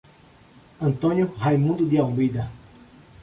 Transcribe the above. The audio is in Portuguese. Antônio Raimundo de Almeida